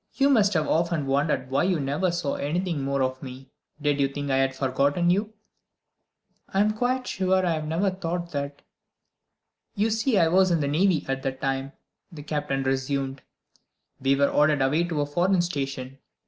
You must have often wondered why you never saw anything more of me. Did you think I had forgotten you?" "I am quite sure I never thought that!" "You see I was in the Navy at the time," the Captain resumed; "and we were ordered away to a foreign station.